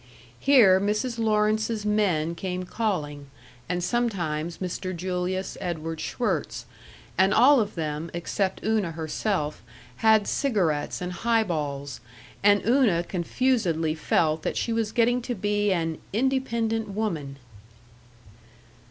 Here Mrs. Lawrence's men came calling, and sometimes Mr. Julius Edward Schwirtz, and all of them, except Una herself, had cigarettes and highballs, and Una confusedly felt that she was getting to be an Independent Woman.